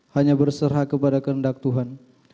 hanya berserah kepada kehendak tuhan